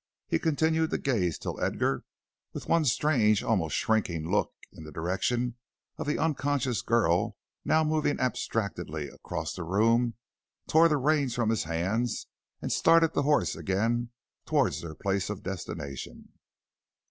he continued to gaze till Edgar, with one strange, almost shrinking look in the direction of the unconscious girl now moving abstractedly across the room, tore the reins from his hands and started the horse again towards their place of destination.